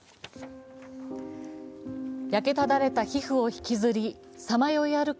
焼けただれた皮膚を引きずりさまよい歩く